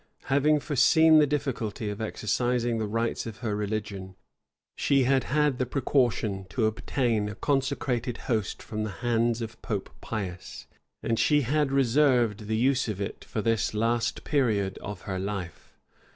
Having foreseen the difficulty of exercising the rites of her religion, she had had the precaution to obtain a consecrated host from the hands of Pope Pius; and she had reserved the use of it for this last period of her life.